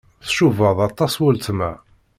Tcubaḍ aṭas weltma.